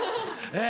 え